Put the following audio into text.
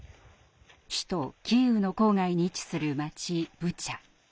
首都キーウの郊外に位置する町ブチャ。